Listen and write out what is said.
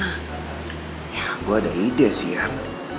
ya gue ada ide sih an